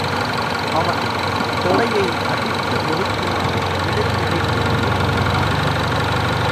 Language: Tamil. அவன் தொடையை அடித்து நொறுக்கினால் விடை கிடைக்கும் என்று கூறினான்.